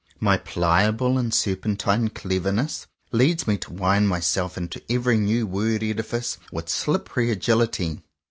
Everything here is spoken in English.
My pliable and serpentine clever ness leads me to wind myself into every new word edifice with slippery agility.